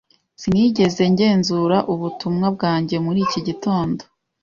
Sinigeze ngenzura ubutumwa bwanjye muri iki gitondo.